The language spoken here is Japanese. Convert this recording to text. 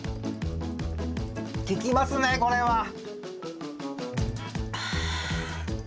効きますねこれは。あ。